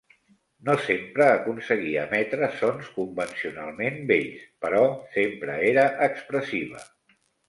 No sempre aconseguia emetre sons convencionalment bells, però sempre era expressiva.